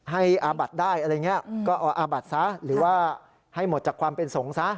อาบัดได้อะไรอย่างนี้ก็เอาอาบัดซะหรือว่าให้หมดจากความเป็นสงฆ์ซะ